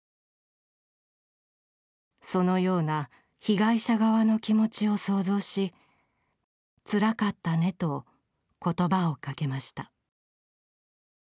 そのような被害者側の気持ちを想像し、「つらかったね」とことばをかけました。